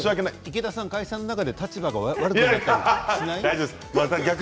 池田さん会社の中で立場が悪くなったりしない？